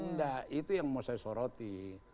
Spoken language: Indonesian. enggak itu yang mau saya soroti